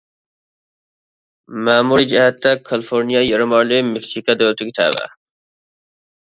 مەمۇرىي جەھەتتە كالىفورنىيە يېرىم ئارىلى مېكسىكا دۆلىتىگە تەۋە.